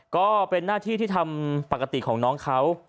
ก็เป็นหน้าที่ที่ทำปกติของน้องเขา